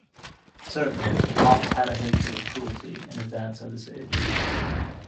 Certainly, Foxe had a hatred of cruelty in advance of his age.